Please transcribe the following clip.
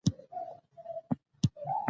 چې د اتل له کړه وړه ،خوي خصلت، عمر،